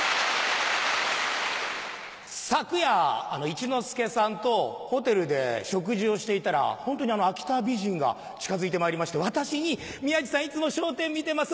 昨夜一之輔さんとホテルで食事をしていたらホントに秋田美人が近づいてまいりまして私に「宮治さんいつも『笑点』見てます。